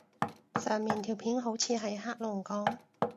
上面條片好似係黑龍江